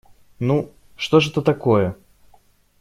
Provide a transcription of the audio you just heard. Ну, что ж это такое!